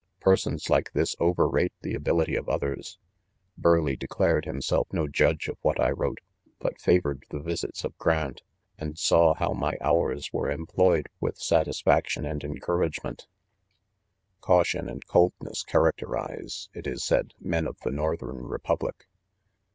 4 Persons like this overrate the ability of oth er; ;; liis.rlc5.gii declared himself no judge of what I wi'Ote, but favored the visits of Grant, and saw how my hours were employed wrth satisfiae tion and encouragement. c2 .52 1DGMEN* 6 Caution and coldness characterize) it is said, men of the Northern republic.